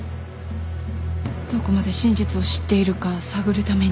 どこまで真実を知っているか探るために。